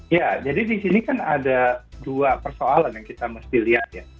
ya jadi di sini kan ada dua persoalan yang kita mesti lihat ya